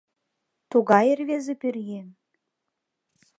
Тугай рвезе пӧръеҥ!